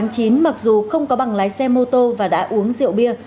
ngày một mươi tháng chín mặc dù không có bằng lái xe mô tô và đã uống rượu bia